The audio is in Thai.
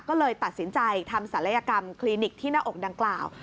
ก็เลยตัดสินใจทำศัลยกรรมคลินิกที่หน้าอกดังกล่าว